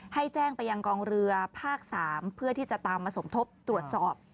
ให้แจ้งไปยังกองเรือภาค๓เพื่อที่จะตามมาสมทบตรวจสอบ